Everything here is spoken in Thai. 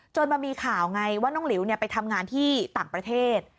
มามีข่าวไงว่าน้องหลิวไปทำงานที่ต่างประเทศ